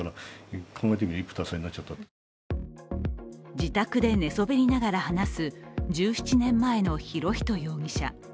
自宅で寝そべりながら話す１７年前の博仁容疑者。